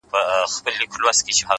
هغې ليونۍ بيا د غاړي هار مات کړی دی ـ